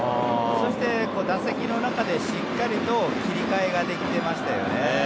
そして打席の中で、しっかりと切り替えができてましたよね。